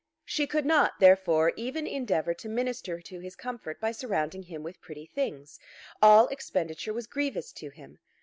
She could not, therefore, even endeavour to minister to his comfort by surrounding him with pretty things. All expenditure was grievous to him.